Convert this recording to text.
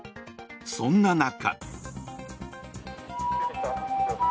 そんな中。